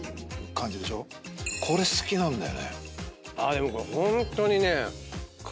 でもこれホントにね。